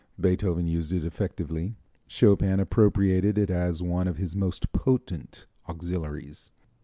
Beethoven used it effectively. Chopin appropriated it as one of his most potent auxiliaries.